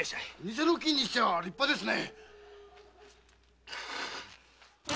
偽の金にしちゃあ立派ですね！